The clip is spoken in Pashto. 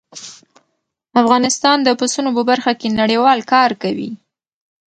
افغانستان د پسونو په برخه کې نړیوال کار کوي.